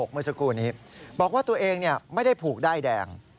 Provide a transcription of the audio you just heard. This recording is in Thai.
เมื่อสักครู่นี้บอกว่าตัวเองไม่ได้ผูกด้ายแดง